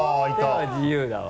手は自由だわ。